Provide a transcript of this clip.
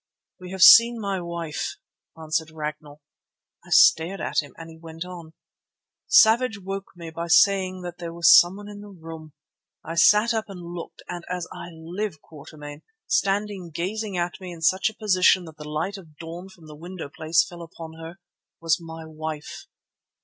"We have seen my wife," answered Ragnall. I stared at him and he went on: "Savage woke me by saying that there was someone in the room. I sat up and looked and, as I live, Quatermain, standing gazing at me in such a position that the light of dawn from the window place fell upon her, was my wife."